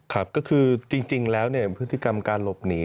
ก็คือจริงแล้วพฤติกรรมการหลบหนี